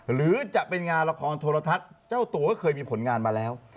หรือจะเป็นงานละครโทรทัศน์เจ้าตัวก็เคยมีผลงานมาแล้ว